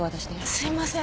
すいません。